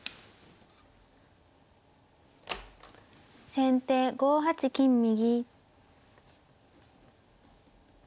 先手５八金右。